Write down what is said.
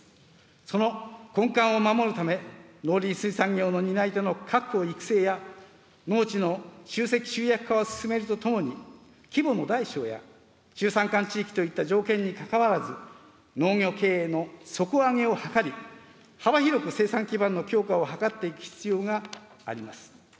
その根幹を守るため、農林水産業の担い手の確保・育成や、農地の集積・集約化を進めるとともに、規模の大小や中山間地域といった条件にかかわらず、農業経営の底上げを図り、幅広く生産基盤の強化を図っていく必要があります。